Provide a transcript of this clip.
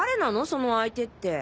その相手って。